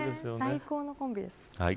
最高のコンビです。